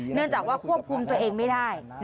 เนื่องจากว่าควบคุมตัวเองไม่ได้